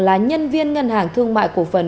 là nhân viên ngân hàng thương mại của phần